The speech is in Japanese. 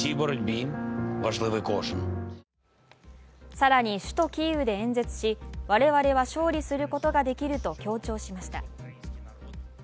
更に首都キーウで演説し我々は勝利することができると強調しました。